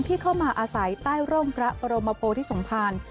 ที่เข้ามาอาศัยใต้ร่มพระบรมโพธิสมภาร